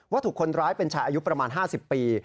ถูกคนร้ายเป็นชายอายุประมาณ๕๐ปี